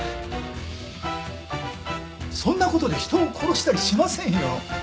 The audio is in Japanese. そんな事で人を殺したりしませんよ。